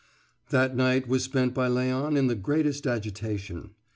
XII That night was spent by Léon in the greatest agitation.